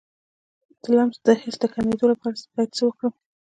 د لمس د حس د کمیدو لپاره باید څه وکړم؟